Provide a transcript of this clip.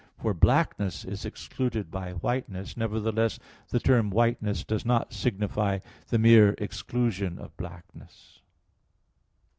For blackness is excluded by whiteness; nevertheless, the term whiteness does not signify the mere exclusion of blackness.